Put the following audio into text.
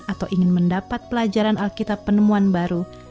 atau ingin mendapat pelajaran alkitab penemuan baru